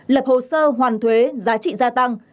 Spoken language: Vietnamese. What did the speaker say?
lập hồ sơ hoàn thuế giá trị gia tăng